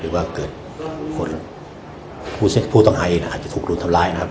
หรือว่าเกิดผู้ต้องไห้อาจจะถูกรุนทำร้ายนะครับ